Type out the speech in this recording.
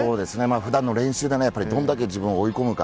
普段の練習がどんだけ自分を追い込むか。